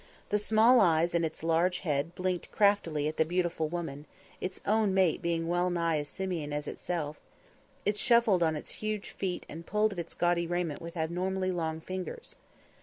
The small eyes in his large head blinked craftily at the beautiful woman its own mate being well nigh as simian as itself ; it shuffled on its huge feet and pulled at its gaudy raiment with abnormally long fingers.